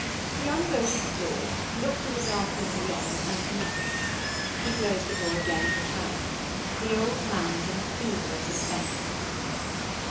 He unbolted the door, looked in the dark room beyond, and listened. He closed the door again and returned. The old man was in a fever of suspense.